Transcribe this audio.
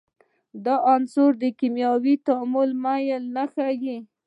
دا عنصرونه د کیمیاوي تعامل میل نه ښیي.